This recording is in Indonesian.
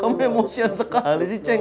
kamu emosian sekali sih ceng